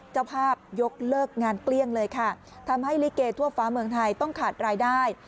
เจ้าภาพยกเลิกงานเกลี้ยงเลยค่ะทำให้ลิเกทั่วฟ้าเมืองไทยต้องขาดรายได้